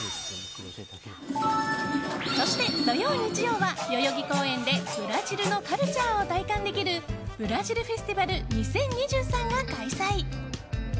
そして土曜、日曜は代々木公園でブラジルのカルチャーを体感できるブラジルフェスティバル２０２３が開催。